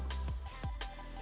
tiga angka melalui tembakan jauh